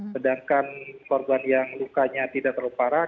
sedangkan korban yang lukanya tidak terlalu parah